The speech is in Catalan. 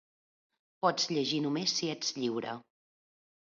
Pots llegir només si ets lliure.